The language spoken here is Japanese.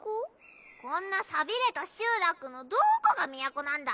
こんな寂れた集落のどこが都なんだ？